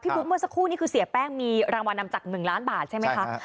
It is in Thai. บุ๊คเมื่อสักครู่นี้คือเสียแป้งมีรางวัลนำจับ๑ล้านบาทใช่ไหมคะ